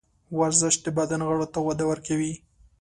ورزش د بدن غړو ته وده ورکوي.